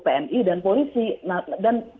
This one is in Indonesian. pmi dan polisi nah dan